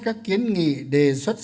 các kiến nghị đề xuất